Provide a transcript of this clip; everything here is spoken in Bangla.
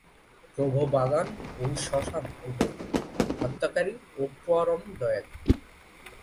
প্রভু বাগান ও শ্মশান উভয়ই, হত্যাকারী ও পরম দয়ালু।